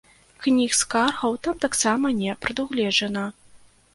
Кніг скаргаў там таксама не прадугледжана.